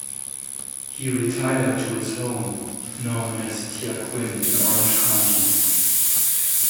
He retired to his home, known as Tyaquin, in Orange County.